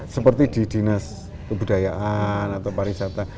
seperti di dinas kebudayaan atau pariwisata